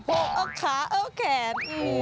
เอ้าเอ้าแขด